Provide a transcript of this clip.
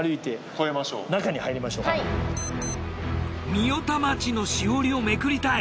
御代田町のしおりをめくりたい。